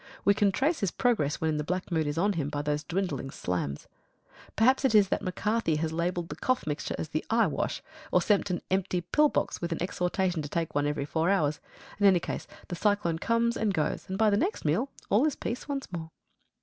We can trace his progress when the black mood is on him by those dwindling slams. Perhaps it is that McCarthy has labelled the cough mixture as the eye wash, or sent an empty pillbox with an exhortation to take one every four hours. In any case the cyclone comes and goes, and by the next meal all is peace once more.